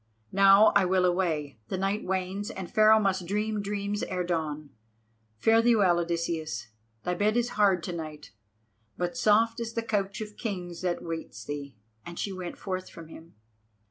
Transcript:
Now I will away—the night wanes and Pharaoh must dream dreams ere dawn. Fare thee well, Odysseus. Thy bed is hard to night, but soft is the couch of kings that waits thee," and she went forth from him.